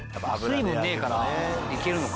水分ねえからいけるのか。